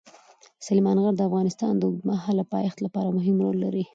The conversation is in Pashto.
سلیمان غر د افغانستان د اوږدمهاله پایښت لپاره مهم رول لري.